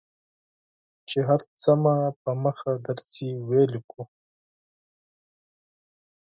چې هر څه مو په مخه درځي ولیکو.